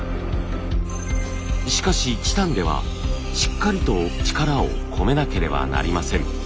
しかしチタンではしっかりと力を込めなければなりません。